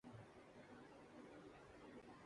ہاں نا اسی لئے تو سیانے کہتے ہیں